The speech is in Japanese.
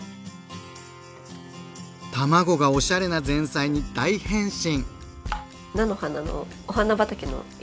卵がおしゃれな前菜に大変身！